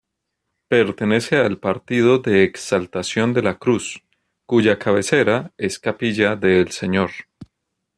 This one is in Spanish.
Pertenece al partido de Exaltación de la Cruz, cuya cabecera es Capilla del Señor.